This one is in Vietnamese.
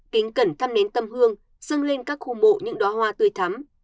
kính cẩn thăm nén tâm hương dâng lên các khu mộ những đóa hoa tươi thắm